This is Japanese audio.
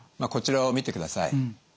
こちらを見てください。